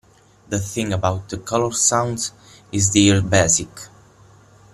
The thing about the Coloursounds is they're basic.